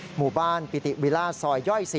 หมู่บ้านปิติวิล่าซอยย่อย๔